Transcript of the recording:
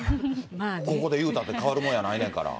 ここで言うても変わるもんやないんやから。